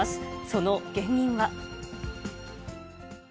その原因は。